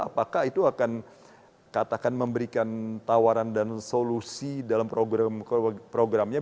apakah itu akan katakan memberikan tawaran dan solusi dalam programnya